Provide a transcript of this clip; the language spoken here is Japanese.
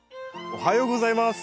おはようございます。